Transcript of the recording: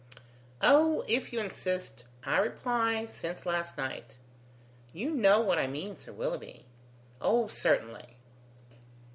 "Oh! if you insist, I reply, since last night." "You know what I mean, Sir Willoughby." "Oh! certainly."